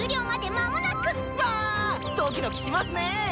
わドキドキしますね！